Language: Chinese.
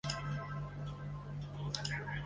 西昌华吸鳅为平鳍鳅科华吸鳅属的淡水鱼类。